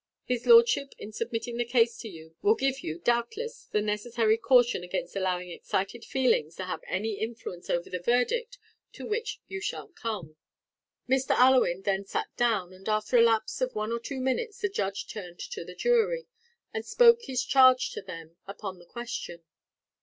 His lordship in submitting the case to you will give you doubtless the necessary caution against allowing excited feelings to have any influence over the verdict to which you shall come." Mr. Allewinde then sat down, and after the lapse of one or two minutes the judge turned to the jury, and spoke his charge to them upon the question.